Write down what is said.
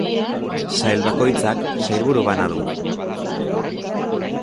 Sail bakoitzak sailburu bana du.